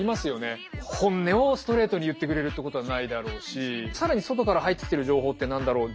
本音をストレートに言ってくれるってことはないだろうし更に外から入ってきてる情報って何だろう